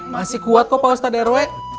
masih kuat kok pak ustadz rw